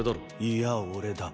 いや俺だ。